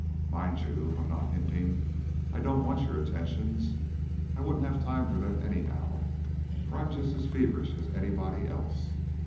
Mind you, I'm not hinting I don't want your attentions I wouldn't have time for them, anyhow, for I'm just as feverish as anybody else.